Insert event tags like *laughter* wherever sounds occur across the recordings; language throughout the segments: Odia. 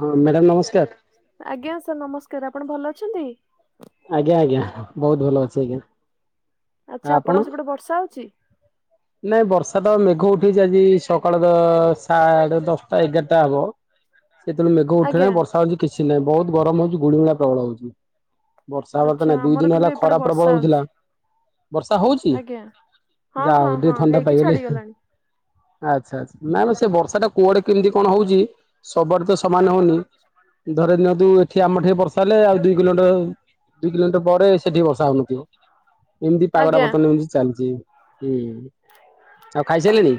ହଁ ମ୍ୟାଡ଼ାମ ନମସ୍କାର। ଆଜ୍ଞା ସାର୍ ନମସ୍କାର ଆପଣ ଭଲ ଅଛନ୍ତି? ଆଜ୍ଞା ଆଜ୍ଞା ବହୁତ ଭଲ ଅଛି ଆଜ୍ଞା। ଆଛା ଆପଣ? ଆପଣଙ୍କ ସେପଟେ ବର୍ଷା ହଉଛି? ନାଇଁ ବର୍ଷା ତ ମେଘ ଉଠେଇଛି ଆଜି ସକାଳ ତ ସାଢେ଼ ଦଶ ଟା ଏଗାରଟା ହବ ସେତେବେଳେ ମେଘ ଆଜ୍ଞା ଉଠେଇଲା ବର୍ଷା ହଉଚି କିଛି ନାହିଁ ବହୁତ ଗରମ ହଉଛି ଗୁଳିଗୁଳା ପ୍ରବଳ ହଉଚି। ବର୍ଷା ହବାତ ଆଚ୍ଛା ନାଇଁ ଦୁଇ ଆମର ଦିନ କିନ୍ତୁ ହେଲା ଏପଟେ ଖରା ବର୍ଷା ପ୍ରବଳ ହଉଛି। ହଉଥିଲା। ବର୍ଷା ହଉଚି? ଆଜ୍ଞା ହଁ ହଁ ଯାହାହଉ ଟିକେ ହଁ ଥଣ୍ଡା ହେଇକି ପାଇଗଲେ। ଛାଡିଗଲାଣି ଆଛା ଆଛା ନାମ ସେ ବର୍ଷା ଟା କୁଆଡେ କେମିତି କଣ ହଉଚି ସବୁଡେ ତ ସମାନ ହଉନି। ଧରେ ଦିଅନ୍ତୁ ଏଠି ଆମ ଠେଇ ବର୍ଷା ହେଲେ ଆଉ ଦିଇ କିଲୋମିଟ ଦୁଇ କିଲୋମିଟର ପରେ ସେଠି ବର୍ଷା ହଉନଥିବ। ଏମିତି ପାଗଟା ଆଜ୍ଞା ବର୍ତ୍ତମାନ ଏମିତି ଚାଲିଚି ହୁଁ ଆଉ ଖାଇସାରିଲେଣି?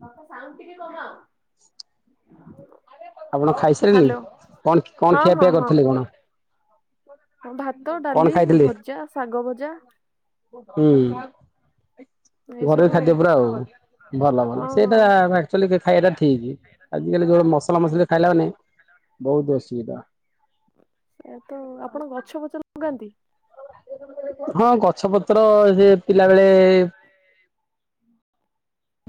ବାପା ସାଉଁଟୁ ଟିକେ କମା। ଆପଣ ଖାଇସାଲିଣି କଣ ଖୀ କଣ ହଁ ଖିଆ ହଁ ପିଇଆ ହଁ କରିଥିଲେ କଣ? ହଁ ଭାତ କଣ ଡାଲି ଖାଇଥିଲେ? ଭଜା ଶାଗ ଭଜା। ହୁଁ। ଏଇ ଘରୋଇ ସବୁ ଖାଦ୍ୟ ପୁରା ଆଉ ଭଲ ଭଲ ଆଉ ହଁ ହଁ ସେଇଟା ଭା ଚୁଲି କେ ଖାଇବା ଟା ଠିକ୍ ଆଜିକାଲି ଯୋଉ ମସଲା ମସଲି ଖାଇଲା ମାନେ ବହୁତ ଅସୁବିଧା। ସେଇଆ ତ ଆପଣ ଆଉ ଗଛ ପଛ ଲଗାନ୍ତି? ହଁ ଗଛ ପତ୍ର ସେ ପିଲାବେଳେ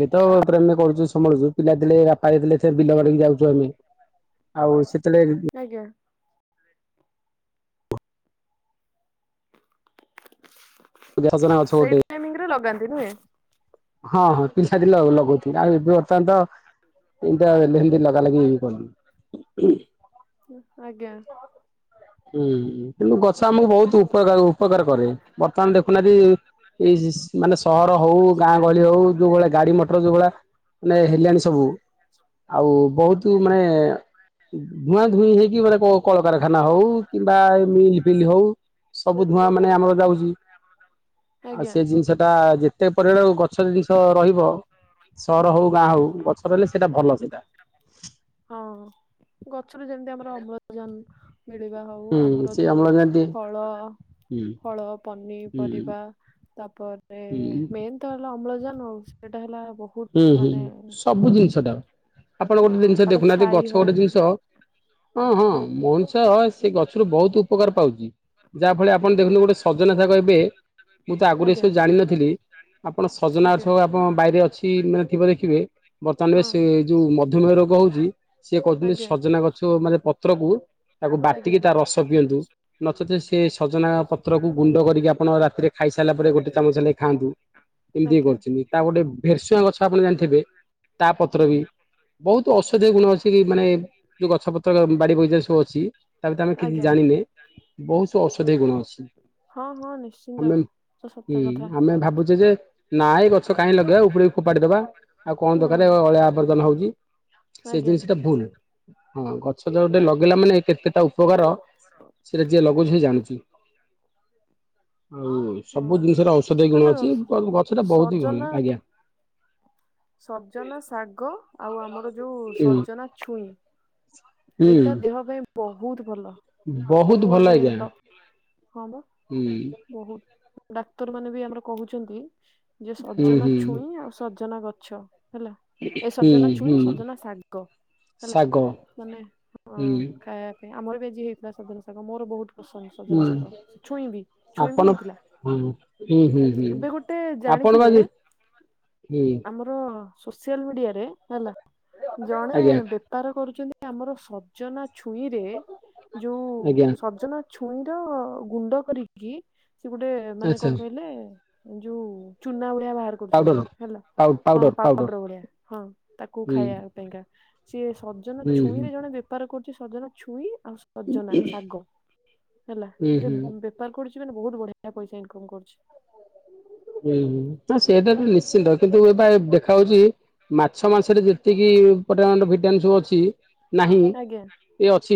ଏବେ ତ ପ୍ରେମେ କରୁଚୁ ସମାଳୁଚୁ ପିଲା ଥିଲେ ବାପା ଯେତେ ବେଳେ ଥିଲେ ତେ ବିଲ ବାଡିକି ଯାଉଚୁ ଆମେ। ଆଉ ସେତେବେଳେ ଆଜ୍ଞା। *unintelligible* ଗଛ ଗୋଟେ ଟାଇମିଂରେ ଲଗାନ୍ତି ନୁହେଁ। ହଁ ହଁ। ପିଲା ଥିଲା ଲଗଉଥିଲି ଆଉ ଏବେ ବର୍ତ୍ତମାନ ତ ଏମତିଆ ହେନ୍ତି ଲଗା ଲାଗି ଇଏ କରୁନୁ। ହୁଉଁ। ଆଜ୍ଞା। ହୁଁ କିନ୍ତୁ ଗଛ ଆମକୁ ବହୁତ ଉପକା-ଉପକାର କରେ। ବର୍ତ୍ତମାନ ଦେଖୁନାହାନ୍ତି ଏଇ ସ୍ ମାନେ ସହର ହଉ ଗାଁ ଗହଳି ହଉ ଯୋଉ ଭଳିଆ ଗାଡି ମଟର ଯୋଉ ଭଳିଆ ମାନେ ହେଲାଣି ସବୁ। ଆଉ ବହୁତ ମାନେ ଧୂଆଁ ଧୂଇଁ ହେଇକି ମାନେ କ କଳକାରଖାନା ହଉ କିମ୍ବା ମିଲ୍ ଫିଲ୍ ହଉ ସବୁ ଧୂଆଁ ମାନେ ଆମର ଲାଗୁଚି ଆଉ ଆଜ୍ଞା ସେ ଜିନିଷ ଟା ଯେ ଯେତେ ପରିମାଣ ଗଛ ଜିନିଷ ରହିବ। ସହର ହଉ ଗାଁ ହଉ ଗଛ ରହିଲେ ସେଇଟା ଭଲ ସେଇଟା। ହଁ ଗଛରୁ ଯେମିତି ଆମର ଅମ୍ଳଜାନ ମିଳିବା ହଉ ହୁଁ ଆମର ସେ ଯୋଉ ଅମ୍ଳଜାନ ଦିଏ ଫଳ ହୁଁ ଫଳ, ହୁଁ ପନିପରିବା ତା ପରେ ହୁଁ ମେନ୍ ତ ହେଲା ଅମ୍ଳଜାନ ଆଉ ସେଟା ହେଲା ହୁଁ ବହୁତ ହୁଁ ମାନେ ସବୁ ଜିନିଷ ଟା ଆପଣ ହଁ ଗୋଟେ ଜିନିଷ ତାପରେ ଦେଖୁନାହାନ୍ତି ଛାଇ ଗଛ ହଉ ଗୋଟେ ଜିନିଷ‌ ହଁ ହଁ ମଣିଷ ସେ ଗଛରୁ ବହୁତ ଉପକାର ପାଉଚି। ଯାହା ଫଳରେ ଆପଣ ଦେଖୁନ୍ତୁ ଗୋଟେ ସଜନା ଶାଗ ଏବେ ମୁଁ ତ ଆଗରୁ ଆଜ୍ଞା ଏସବୁ ଜାଣିନଥିଲି‌। ଆପଣ ସଜନାର ଆଜ୍ଞା। ଗଛ ଆପଣ ବାଇରେ ଅଛି। ତି ମାନେ ଥିବ ଦେଖିବେ ବର୍ତ୍ତମାନରେ ହଁ ସେ ଯୋଉ ମଧୁମେହ ରୋଗ ହଉଚି ସିଏ କହୁଚନ୍ତି ଆଜ୍ଞା ସଜନା ଗଛ ମାନେ ପତ୍ରକୁ ତାକୁ ଆଜ୍ଞା ବାଟିକି ତା ରସ ପିଅନ୍ତୁ‌। ନଚେତ୍ ସେ ସଜନା ପତ୍ରକୁ ଗୁଣ୍ଡ କରିକି ଆପଣ ରାତିରେ ଖାଇସାରିଲା ପରେ ଗୋଟେ ଚାମଚ ହେଲେ ଖାଆନ୍ତୁ। ଏମିତି ଇଏ ଆଜ୍ଞା। କରୁଚନ୍ତି। ତା ଗୋଟେ ଭେରସୁଆଁ ଗଛ ଆପଣ ଜାଣିଥିବେ ତା ପତ୍ର ବି ବହୁତ୍ ଔଷଧୀୟ ଗୁଣ ଅଛି କି ମାନେ ଯୋଉ ଗଛ ପତ୍ର ବାଡି ବଗିଚାରେରେ ସବୁ ଅଛି ତା ଭିତରେ ଆମେ କିଛି ଆଜ୍ଞା। ଜାଣିନେ। ବୋହୁତ ଔଷଧିୟ ଗୁଣ ଅଛି। ହଁ ହଁ ନିଶ୍ଚିନ୍ତ ଆମେ ତ ସତ ଉଁ କଥା ଆମେ ଭାବୁଚେ ଯେ ନାଇଁ ଗଛ କାଇଁ ଲଗେଇ ଆଉ ଉପାଡିକି ଫୋପାଡି ଦବା। ଆଉ କଣ ହୁଁ ଦରକାର ଅଳିଆ ଆବର୍ଜନ ହଉଚି। ସେ ଆଜ୍ଞା ଜିନିଷ ଟା ଭୁଲ। ହଁ, ଗଛ ତ ଗୋଟେ ଲଗେଇାଲା ମାନେ କେତେଟା ଉପକାର ସେରା ଯିଏ ଲାଗଉଚି ସିଏ ଜାଣିଚି। ହଁ ହଁ। ସବୁ ଜିନିଷରେ ଔଷଧୀୟ ଗୁଣ କାରଣ ଅଛି। ଗ-ଗଛଟା ବହୁତ୍ ହି ଭଲ ସଜନା ଆଜ୍ଞା। ସଜନା ଶାଗ ଆଉ ଆମର ଯୋଉ ସଜନା ଛୁଇଁ ଆଚ୍ଛା। ଏଇଟା ଦେହ ପାଇଁ ବହୁତ୍ ଭଲ। ବହୁତ ସବୁ ଭଲ ସାଡେ ଆଜ୍ଞା ଡକ୍ ହଁ ପା ହୁଁ ବହୁତ୍ ଡାକ୍ତର ମାନେ ବି ଆମର କହୁଚନ୍ତି। ଯେ ହୁଁ ସଜନା ହୁଁ ଛୁଇଁ ଆଉ ସଜନା ଗଛ ହେଲା। ଏ ହୁଁ ସଜନା ଛୁଇ ହୁଁ ସଜନା ଶାଗ ହେଲା। ଶାଗ ହେଁ ହଁ ହୁଁ ଖାଇବା ପାଇଁ ଆମର ବି ଆଜି ହେଇଥିଲା ସଜନା ଶାଗ। ମୋର ବହୁତ୍ ସ ସଜନ ହୁଁ ଶାଗ ଛୁଇଁବି ଛୁଇଁବି ହେଇଥିଲା। ହଁ ହୁଁ ହୁଁ ହୁଁ ଏବେ ଗୋଟେ ଆପଣ ବା ହୁଁ ଆ ସୋସିଆଲ ମିଡିଆରେ ହେଲା ଜଣେ ଆଜ୍ଞା ବେପାର କରୁଛନ୍ତି। ଆମର ସଜନା ଛୁଇଁରେ ଯୋଉ ଆଜ୍ଞା ସଜନା ଛୁଇଁର ଗୁଣ୍ଡ କରିକି ସେ ଗୋଟେ ମାନେ ଆଚ୍ଛା କଣ କହିଲେ ଯୋଉ ଚୁନା ବଡିଆ ବାହାର ପାଉଡର କରୁଛନ୍ତି ହେଲା। ପାଉ ହଁ ପାଉଡର ପାଉଡର ପାଉର ଭଳିଆ ହଁ ତାକୁ ହୁଁ ଖାଇବା ପାଇଁକା ସିଏ ସଜନ ହୁଁ ହୁଁ ଜଣେ ବେପାର କରୁଛି ସଜନା ଛୁଇଁ ଆଉ ସଜନା ଶାଗ ହେଲା ହୁଁ ହୁଁ ଏଥିରେ କରୁ ମାନ ବହୁତ ବଢିଆଇସ ଇନକମ୍ କରୁଛି। ହୁଁ ହୁଁ ନା ସେଇଟା ତ ନିଶ୍ଚିନ୍ତ କିନ୍ତୁ ଏବେ ଦେଖା ହଉଛି ମାଛ ମାସରେ ଯେତିକି ଟ ଭିଟ ସବୁ ଅଛି ନାହିଁ। ଆଜ୍ଞା ଏ ଅଛି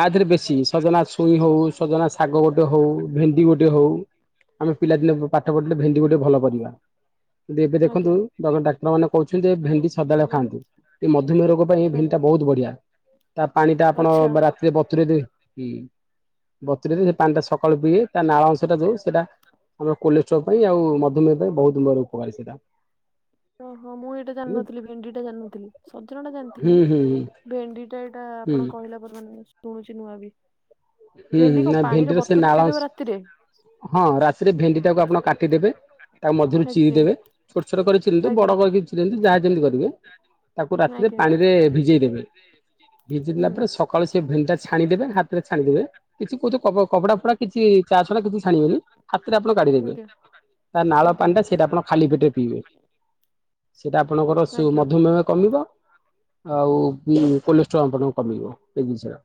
ଆ ଦେରେ ବେଶୀ ସଜନା ଛୁଇଁ ହଉ, ସଜନା ଶାଗ ଗୋଟେ ହଉ, ଭେଣ୍ଡି ଗୋଟେ ଯାହା ହଉ, ଆମେ ପିଲାଦିନେ ପାଠ ପଢ଼ିଥିଲେ ଭେଣ୍ଡି ଗୋଟେ ଭଲ ପରିବା, କିନ୍ତୁ ଏବେ ଦେଖନ୍ତୁ ଆଜ୍ଞା ଗମେଣ୍ଟ ଡାକ୍ତର ମାନ କହୁଛନ୍ତି ଯେ ଭେଣ୍ଡି ସଦାବେଳେ ଖାଆନ୍ତୁ, ଏ ମଧୁମେହ ରୋଗ ପାଇଁ ଭେଣ୍ଡି ଆଜ୍ଞା ଟା ବହୁତ୍ ବଢିଆ। ତା ପାଣି ଟା ଆପଣ ଆଚ୍ଛା ରାତିରେ ବତୁରେଇ *inaudible* ସେ ପାଣି ଟା ସକାଳୁ ପିଇଵେ, ତା ନାଳ ଅଂଶଟା ଯଉ ସେଟ ଆମର କୋଲେ ଛ ଉ ପାଇଁ ଆଉ ମଧ୍ଧୁମେହ ପାଇଁ ବହୁତ୍ ବଡ ଉପକାରୀ ସେଇଟା। ଓହଁ ମୁଁ ଏଇଟା ଜାଣିନଥିଲି ଭେଣ୍ଡି ଟା ଜାଣିନଥିଲି ସଜନ ଟା ହୁଁ ଜାଣିଥିଲି ହୁଁ ଭେଣ୍ଡି ଏଇଟା ହୁଁ ଆପଣ କହିଲା ପରେ ମାନେ ଶୁଣୁଛି ନୂଆ ବି ହୁଁ ହୁଁ ଭେଣ୍ଡି କୁ ନା ପାଣିରେ ଭେଣ୍ଡିର ସେ ବତୁୁରୀ ନାଳ ଅଂଶ ଦେଇଦବ ରାତିରେ। ହଁ ରାତିରେ ଭେଣ୍ଡି ଟାକୁ ଆପଣ କାଟିଦେବେ ତା ମଝିରୁ ଚିରି ଆଜ୍ଞା ଦେବେ ଛୋଟ ଛୋଟ କରିଥିଲନ୍ତୁ ଆଜ୍ଞା ବଡ କରିୁ ଯାହା ଯେମିତି କରିବେ ତାକୁ ରାତିରେ ଆଜ୍ଞା ପାଣିରେ ଭିଜେଇ ଦେବେ ଭିଜିଲଲା ହୁଁ ପରେ ସକା କକାଳ ସେ ଭେଣ୍ଟା ଛାଣିଦବେ। ହାତରେ ଛାଣି ଦେବେ କିଛି କହୁତ କପା ଫଡା କିଛି ଚାଷା କିଛି ଛାଣିବେନି ହାତରେ ଆପଣ କାଢିଦେବେ‌‌। ଆଜ୍ଞା ତା ନାଳ ଆଜ୍ଞା ପାଣିଟା ସେଇଟା ଆପଣ ଖାଲି ପଟରେ ପିଇବେ। *inaudible* ସେଇଟା ଆପଣଙ୍କର ସୁ ଆଜ୍ଞା ମଧୁମୟ କମିବ। ଆଉ କୋଲେଷ୍ଟ୍ରଲ୍ ଆପଣଙ୍କ କମେଇବ ସେ ଜନିଷ ଟା।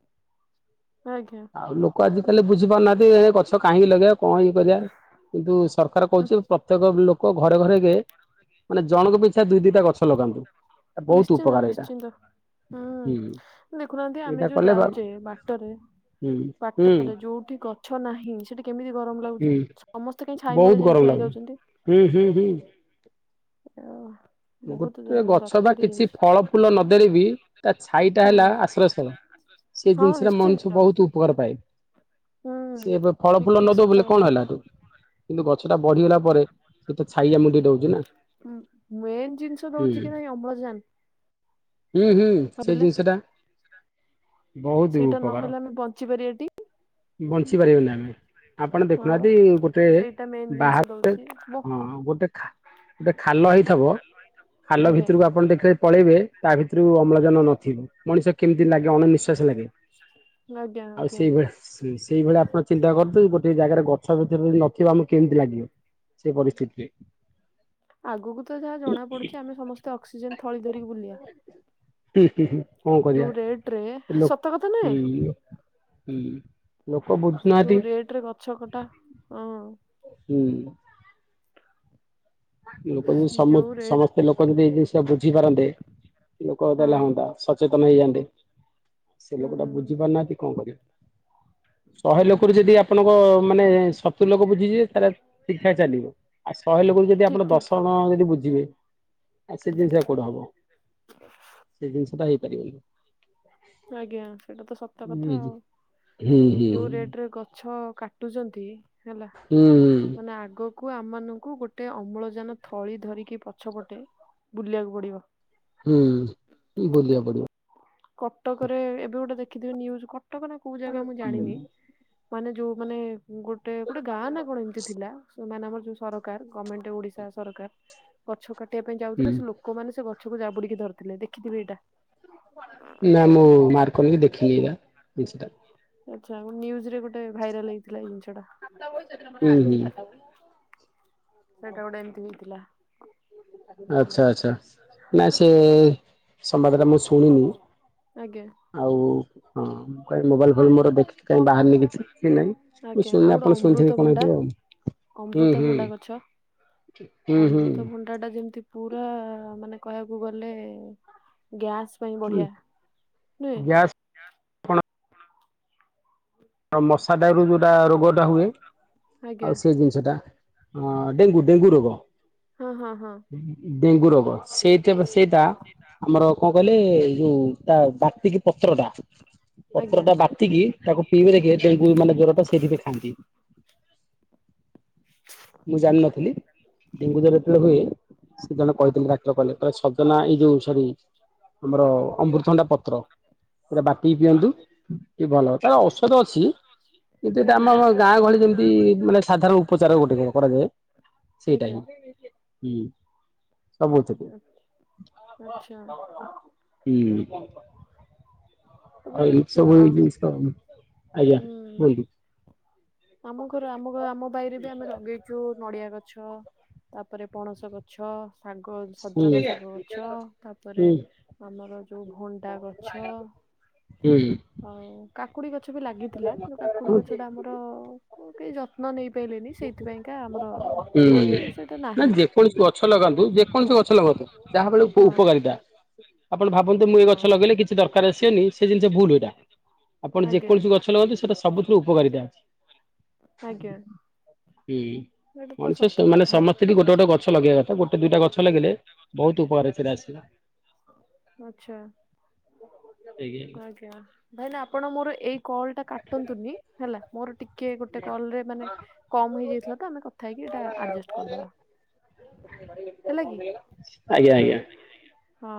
ଆଜ୍ଞା। ଆଉ ଲୋକ ଆଜିକାଲି ବୁଝିପାରୁନାହାନ୍ତି ଏ ଗଛ କାହିଁକି ଲଗେଇବା କଣ ଇଏ କରିବା। କିନ୍ତୁ ସରକାର ହୁଁ। କହୁଛି ପ୍ରତ୍ୟେକ ଲୋକ ଘରେ ଘରେ କେ ମାନେ ଜଣଙ୍କ ବି ସୋ ଦୁଇ ଦୁଇ ଟା ଗଛ ଲଗାନ୍ତୁ। ନିଶ୍ଚିନ୍ତ ଉପକାର ଏଇଟା ନିଶ୍ଚିନ୍ତ। ହୁଁ ଦେଖୁନାହାନ୍ତି ଆମେ ଏଇଟା ଯୋଉ କଲେ ବା ଯାଉଛେ ବାଟରେ ହୁଁ ହୁଁ ପାଟରେ ଯୋଉଠି ଗଛ ନାହିଁ ସେଠି କେମିତି ଗରମ ହୁଁ ଲାଗୁଛି। ସମସ୍ତେ କାଇଁ ଛାଇ ବହୁତ ମୂଳେ ଯାଇ ଗରମ ଠିଆ ଲାଗୁଛି ହେଇଯାଉଛନ୍ତି। ହୁଁ ହୁଁ ହୁଁ। ଓ ବହୁତ ଗୋଟେ ଗଛ ବା ଦରକାରୀ କିଛି ଜିନିଷ। ଫଳ ଫୁଲ ନଦେଲେ ବିି, ତା ଛାଇ ଟା ହୁଁ ହେଲା ଆଶ୍ରୟସ୍। ସେ ହଁ ଜିନିଷଟା ମଣିଷ ନିଶ୍ଚିନ୍ତ ବହୁତ ଉପକାର ପାଏ। ହୁଁ ସିଏ ଏବେ ଫଳ ଠିକ ଫୁଲ ଠିକ ନ ଦଉ ସତ ବ କଥା। କଣ ହେଲା। କିନ୍ତୁ ଗଛ ଟା ବଢି଼ଗଲା ପରେ ସେ ତ ଛାଇ ଆମ ଟିକେ ଦଉଛି ନା। ମେନ୍ ଜିନିଷ ହୁଁ ଦଉଛି କି ନାଇଁ ଅମ୍ଲଜାନ ହୁଁ ହୁଁ ସେଇ ଜିନିଷଟା। ବହୁତ ସେଇଟା ଉପକାର ନହେଲେ ଆମେ ବଞ୍ଚି ପାରିବାଟି ବଞ୍ଚି ପାରିବନି ଆମେ। ଆପଣ ହଁ ଦେଖୁନାହାନ୍ତି ଗୋଟେ ସେଇଟା ମେନ୍ ଜିନିଷ ବାହ ଦଉଛି ମୋ ହଁ ଗୋଟେ। ଗୋଟୋଲ ହେଇ ବ ଖାଲ ଆଜ୍ଞା ଭିତରକୁ ଆପଣ ଦେଖିବ ପଳେଇବେ ତା ଭିତରୁ ଅମ୍ଳଜାନ ନଥିବ। ମଣିଷ କେମିତି ଲାଗେ ଅଣନିଶ୍ଵାସ ଲାଗେ ଆଜ୍ଞା ଆଉ ଆଜ୍ଞା ସେଇଭଳିଆ। ସେଇଭଳିଆ ଆପଣ ଚିନ୍ତା କରଦୁ ଗୋଟେ ଜାଗାରେ ଗଛ ଭିତରେ ଯଦି ନଥିବ ଆମକୁ କେମିତି ଲାଗିବ। ସେ ପରିସ୍ଥିତି ରେ। ଆଗକୁ ତ ଯାହା ଜଣା ପଡୁଛି ଆମେ ସମସ୍ତେ ଅକ୍ସିଜେନ ଥଳି ଧରିକି ବୁଲିବା। ହୁଁ ହୁଁ ହୁଁ କଣ କରିବା ଯୋଉ ରେଟ ରେ ଲୋ ସତକଥା ହୁଁ ନୁହେଁ। ହୁଁ। ଲୋକ ବୁଝୁନାହାନ୍ତି ଯୋଉ ରେଟରେ ଗଛ କଟା ହଁ। ହୁଁ। ଲୋକ ଯଦି ସମ ଯୋଉ ରେଟ ସମସ୍ତେ ଲୋକ ଯଦି ଏଇ ଜିନିଷ ଟା ବୁଝିପାରନ୍ତେ ଲୋକ ହଁ ଦେହଲେ ହୁଅନ୍ତା ସଚେତନ ହେଇଯାଆନ୍ତେ ସେ ଲୋକ ଟା ହୁଁ ବୁଝି ପାରୁନାହାନ୍ତି କଣ କରିବ। ଶହେ ଲୋକରୁ ଯଦି ହୁଁ ଆପଣଙ୍କ ମାନେ ସତୁରି ଲୋକ ବୁଝିଯିବେ ତାହେଲେ ଠିକ୍ ଠାକ୍ ଚାଲିବ। ଆଉ ଶହେ ଲୋକରୁ ଯଦି ଠିକ୍ ଆପଣ ଠିକ୍। ଦଶ ଜଣ ଯଦି ବୁଝିବେ। ଆ ସେ ଜିନିଷଟା କୋଉଠ ହବ ସେ ଜିନିଷ ଟା ହେଇପାରିବନି। ଆଜ୍ଞା ସେଇଟା ତ ସତ କଥା ଆଉ ହୁଁ ହୁଁ ଯୋଉ ରେଟ ରେ ଗଛ କା ଉଟୁଛନ୍ତି ହେଲା ହୁଁ ମାନେ ଆଗ କୁ ଆମମାଙ୍କୁ ଗୋଟେ ଅମ୍ଳଜାନ ଥଳି ଧରିକି ପଛ ପଟେ ବୁଲିବାକୁ ପଡିବ। ହୁଁ ବୁଲିବାକୁ ପଡିବ। କଟକରେ ଏବେ ଗୋଟେ ଦେଖିଥିବେ ନ୍ୟୁଜ କଟକ ନା କୋଉ ଜାଗା ମୁଁ ହୁଁ ଜାଣିନି। ମାନେ ଯୋଉ ମାନେ ଗୋଟେ ଗୋଟେ ଗାଁ ନା କଣ ଏମିତି ଥିଲା ମାନେ ଆମର ଯୋଉ ସରକାର ଗମେଣ୍ଟ ଓଡ଼ିଶା ସରକାର। ଗଛ କାଟିବା ପାଇଁ ହୁଁ ଯାଉଥିଲେ ସେ ଲୋକମାନେ ସେ ଗଛକୁ ଜାବୁଡିକି ଧରିଥିଲେ ଦେଖିଥିବେ ଏଇଟା। ନା ମୁଁ ମାରକରିନି କି ଦେଖିନି ଏଇଟା ଜିନିଷଟା। ଆଚ୍ଛା ନ୍ୟୁଜ ରେ ଗୋଟେ ଭାଇରାଲ ହେଇଥିଲା ଏ ଜିନିଷଟା। ହୁଁ ହୁଁ। ସେଇଟା ଗୋଟେ ଏମିତି ହେଇଥିଲା। ଆଚ୍ଛା ଆଚ୍ଛା ନାଇ ସେ ସମ୍ବାଦ ଟା ମୁଁ ଶୁଣିନି। ଆଜ୍ଞା। ଆଉ ହଁ ମୁଁ କହିଲି ମୋବାଇଲ୍ ଫୋବାଇଲ ମୋର ଦେଖି କାଇଁ ବାହାରିନି। କି ନାଇଁ ଆଜ୍ଞା ମୁଁ ଆଉ ଆପଣ ଗୋଟେ ଶୁଣିଥିବେ କଣ ଅମୃତଭଣ୍ଡା ହବ ଆଉ ହୁଁ ହୁଁ। ଅମୃତଭଣ୍ଡା ଗଛ ହୁଁ ହୁଁ। ପଟାଟା ଯେମିତି ପୁରା ମାନେ କହିବାକୁ ଗଲେ ଗ୍ୟାସ୍। ପାଇଁ ହୁଁ ବଢିଆ ନୁହେଁ। ଗ୍ୟାସ୍ କଣ ମଶା ଟା ରୁ ଯୋଉଟା ରୋଗଟା ହୁଏ ଆଜ୍ଞା ଆଉ ସେ ଜିନିଷ ଟା ହଁ ଡେଙ୍ଗୁ ଡେଙ୍ଗୁ ରୋଗ। ହଁ ହଁ ହଁ। ଡେଙ୍ଗୁ ରୋଗ ସେଇ ସେଇଟା ଆମର କଣ କହିଲେ ଏ ଯୋଉ ତା ବାତି କିି ପତ୍ର ଟା ଆଜ୍ଞା ପତ୍ରଟା ବାଟି ସେତିକି ତାକୁ ପିଇବେ ଦେଖେ ତାକୁ ମାନେ ଜ୍ଵର ଟା ସେଇଥିପାଇଁ ଖାଆନ୍ତି। ମୁଁ ଜାଣିନଥିଲି ଡେଙ୍ଗୁ ଜର ଯେତେବେଳେ ହୁଏ ସେ ଜଣେ କହିଛନ୍ତି ରା କଲେ ସଜନା ଏଇ ଯୋଉ ସରି ଆମର ଅମୃତଭଣ୍ଡା ପତ୍ର। ପୁରଟ ବାଟିକି ପିଅନ୍ତୁ ଟିକେ ଭଲ ହବ ତ ଅଛି କିନ୍ତୁ ଏଟା ଆଜ୍ଞା ଆମ ଗାଁ ଗହଳି ଯେମିତି ମାନେ ସାଧାରଣ ଉପଚାର ଗୋଟେ କରାଯାଏ। ସେଇଟା ଆଜ୍ଞା। ହିଁ। ହୁଁ ସବୁ ଅଛି। ଆଚ୍ଛା ହୁଁ। ତାପରେ ଆଉ ଯୋଉ ସବୁ ଆ ଜିନିଷ ଆଜ୍ଞା ହୁଁ କୁହନ୍ତୁ। ଆମ ଘର ଆମ ଆମ ବାଇରେ ବି ଆମେ ଲଗେଇଛୁ ନଡିଆ ଗଛ। ତାପରେ ପଣସ ଗଛ। ଶାଗ ହୁଁ। ସଜନା ଶାଗ ଗଛ। ତାପରେ ହୁଁ ଆମର ଯୋଉ ଭଣ୍ଡା ଗଛ ହୁଁ। ଆଉ କାକୁଡି ଗଛ ବି ଲାଗିଥିଲା। କି କାକୁଡି ଗଛ ଟା ଆମର ମୁଁ କେହି ଯତ୍ନ ନେଇପାରିଲନି ସେଇଥିପାଇଁକା ଆମର ଆଉ ହୁଁ ସେଇଟା ନା ନାହିଁ। ଯେକୌଣସି ଗଛ ଲଗାନ୍ତୁ ଯେକୌଣସି ଗଛ ଲଗନ୍ତୁ ଯାହା ବଳେ ଉପକାରିତା। ହ *unintelligible* ଆପଣ ଭାବନ୍ତୁ ମୁଁ ଏ ଗଛ ଲଗେଇଲେ କିଛି ଦରକାର ଆସିବେନି ସେ ଜିନିଷ ଭୁଲ ଏଇଟା। ଆପଣ ଆଜ୍ଞା ଯେକୌଣସି ଗଛ ଛି ଲଗାଯାଉଛି ସେଟା ସବୁଥିରୁ ଉପକାରିତା ଅଛି। ଆଜ୍ଞା ହୁଁ ଏଇଟା ତ ମଣିଷ ସତ ସେମାନେ କଥା ସମସ୍ତେ ବି ଗୋଟେ ଗୋଟେ ଗଛ ଲଗେଇବା କଥା। ଗୋଟେ, ଦୁଇଟା ଗଛ ଲାଗିଲେ ବହୁତ ଉପକାରେ ସେରା ଆସିଲ। ମ *unintelligible* ଏଞ *unintelligible* ଆଜ୍ଞା। ଭାଇନା ଆପଣ ମୋର ଏଇ କଲ ଟା କାଟନ୍ତୁନି ହେଲା ମୋର ଟିକେ ଗୋଟେ କଲ ରେ ମାନେ କମ ହେଇଯାଇଥିଲା। ତ ଆମେ କଥା ହେଇକି ଏଟା ଆଡଜେଷ୍ଟ କରି ଦବା ହେଲା କି? ଆଜ୍ଞା। ହଁ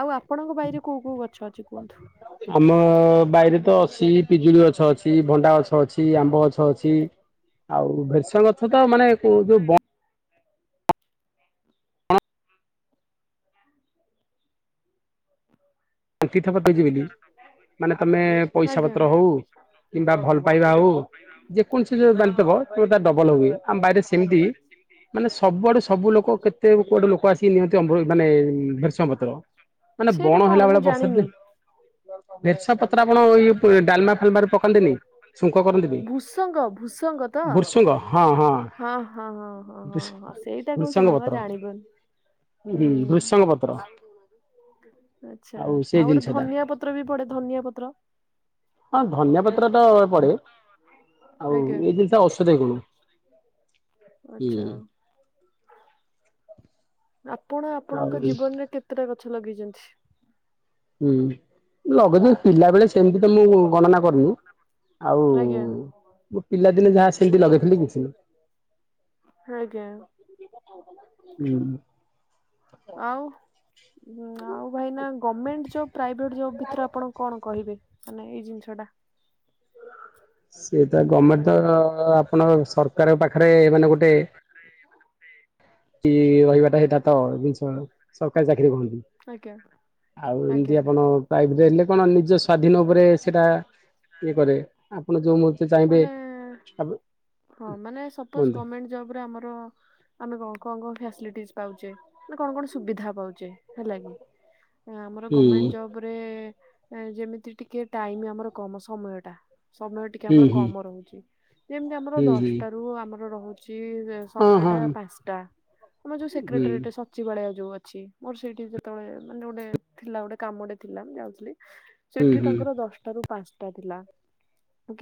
ଆଉ ଆପଣଙ୍କ ବାଇରେ କୋଉ କୋଉ ଗଛ ଅଛି କୁହନ୍ତୁ? ଆମ ବାଇରେ ତ ଅଛି ପିଜୁଳି ଗଛ ଅଛି, ଭଣ୍ଡା ଗଛ ଅଛି, ଆମ୍ବ ଗଛ ଅଛି ଆଉ ଭେରସଙ୍ଗ ଗଛ ସେଟା ମାନେ ଯୋଯୋଉ *unintelligible* ବୋଲି ମାନେ ତମେ ପଇସା ଆଜ୍ଞା। ପତ୍ର ହଉ କିମ୍ବା ଭଲ ପାଇବା ହଉ ଯେକୌଣସି ଯୋଉ ଜାଣିିତବ କି ତା ଡବଲ ହୁଏ। ଆମ ବାହରେ ସେମିତି ମାନେ ସବୁଆଡୁ ସବୁ ଲୋକ କେତେ କୁଆଡେ ଲୋକ ଆସିକି ନିଅନ୍ତି ଅମୃ ମାନେ ଭେରଷଙ୍ଗ ପତ୍ର। ମାନେ ସେଇଟା ବଣ କଣ ହେଲା ମୁଁ ବେଳେ ବର୍ଷା ଜାଣିନି ର୍ସପ *unintelligible* ଆପଣ ଇ ଡାଲମା ଫାଲମା ରେ ପକାନ୍ତିନି ଛୁଙ୍କ କରନ୍ତି ବି। ଭୂସଙ୍ଗ ଭୂସଙ୍ଗ ତ? ଭୃସୁଙ୍ଗ ହଁ ହଁ ହଁ ହଁ ହଁ ହଁ ହଁ ଭୁଶ ସେଇଟା କହୁଛ ଭୃସଙ୍ଗ ମୁଁ ଆଉ ପତ୍ର। ଜାଣିପାରୁନି। ହୁଁ ଭୃସଙ୍ଗ ପତ୍ର ଆଛା ସେଇ ଆଉ ଗୋଟେ ଜିନିଷ ଟା ଧନିଆ ପତ୍ର ବି ପଡେ ଧନିଆ ପତ୍ର ହଁ ଧନିଆ ପତ୍ର ତ ପଡେ ଆଉ *unintelligible* ଏଇ ଜିନିଷ ଔଷଧୀୟ ଆଜ୍ଞା। ଗୁଣ ହୁଁ ଆଚ୍ଛା। ଆପଣ ଆଉ ଆପଣଙ୍କ ଜୀବନରେ କେତେଟା ଗଛ ଲଗେଇଛନ୍ତି? ହୁଁ ଲଗଛ ପିଲା ବେଳେ ସେମିତି ତ ମୁଁ ଗଣନା କରିନି ଆଉ ଆଜ୍ଞା ମୋ ପିଲାଦିନେ ଯାହା ସେମିତି ଲଗେଇଥିଲି କିଛି ହଁ ହୁଁ ଆଉ ଆଉ ଭାଇନା ଗଭର୍ଣମେଣ୍ଟ ଜବ୍ ପ୍ରାଇଭେଟ ଜବ ଭିତରେ ଆପଣ କଣ କହିବେ? ମାନେ ଏଇ ଜିନିଷ ଟା ସେଟା ଗଭର୍ଣ୍ଣମେଣ୍ଟ ତ ଆପଣ ସରକାରଙ୍କ ପାଖରେ ମାନେ ଗୋଟେ ମେ *unintelligible* କି ରହିବାଟା ହେ ଏଟାତ ଜିନିଷ ସରକାରୀ ଚାକିରି କୁହନ୍ତି ଆଜ୍ଞା ଆଉ ଆଜ୍ଞା ଏମିତି ଆପଣ ପାଇବୁ ଦେଲେ କଣ ନିଜ ସ୍ଵାଧୀନ ଉପରେ ସେଇଟା ଇଏ କରେ ଆପଣ ଯୋଉ ମୁ କି ଚାହିଁବେ ମାନେ ସବୁ ହଁ ମାନେ ସପୋଜ ଗଭର୍ଣମେଣ୍ଟ ଜବ ରେ ଆମର ଆମେ କଣ କଣ କଣ ଫ୍ୟାସିଲିଟିଚି ପାଉଛେ ମାନେ କଣ କଣ ସୁବିଧା ପାଉଛେ ହେଲା କିି ଆମର ହୁଁ ଗଭର୍ଣମେଣ୍ଟ ଜବ ରେ ଯେମିତି ଟିକେ ଟାଇମ ଆମର କମ ସମୟ ଟା ସମୟ ଟିକେ ହୁଁ ଆମର ହୁଁ କମ ରହୁଛି ଯେମିତି ଆମର ହୁଁ ହୁଁ ଦଶଟାରୁ ଆମର ରହୁଛି ହଁ ସମୟଟା ହଁ ପାଞ୍ଚଟା ଆମର ଯୋଉ ସେକ୍ରଟାର ହୁଁ ସଚିବାଳିଆ ଯୋଉ ଅଛି ମୋର ସେଇଠି ଯେତେବେଳେ ମାନେ ଗୋଟେ ଥିଲା ଗୋଟେ କାମଟେ ଥିଲା ମୁଁ ଯାଉଥିଲି ହୁଁ ସେଠି ହୁଁ ତାଙ୍କର ଦଶଟା ରୁ ପାଞ୍ଚଟା ଥିଲା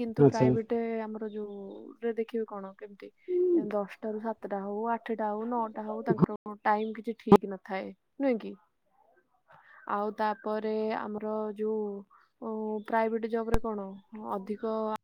କିନ୍ତୁ ଆଚ୍ଛା। ପ୍ରାଇଭେଟ ଗଟେ ଆମର ଯୋଉରେ ଦେଖିବେ କଣ କେମିତି ଦଶଟା ରୁ ସାତଟା ହଉ ଆଠ ଆଠଟା ହଉ ନଅଟା ହଉ ତାଙ୍କର କ ଟାଇମ୍ କିଛି ଠିକ ନଥାଏ ନୁହେଁ କି ଆଉ ତାପରେ ଆମର ଯୋଉ ପ୍ରାଇଭେଟ ଜବ ରେ କଣ ଅଧିକ